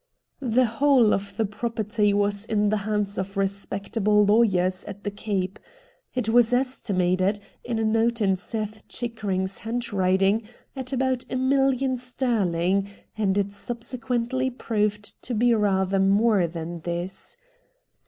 The whole of the property was in the hands of respectable lawyers at the Cape. It was estimated, in a note in Seth Chickering's handwriting, at about a million sterhng, and it subsequently proved to be rather more than this.